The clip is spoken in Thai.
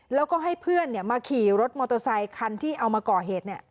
แล้วก็ให้เพื่อนมาขี่รถมอเตอร์ไซคันที่เอามาก่อเหตุ